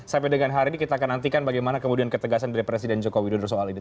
sampai dengan hari ini kita akan nantikan bagaimana kemudian ketegasan dari presiden joko widodo soal ini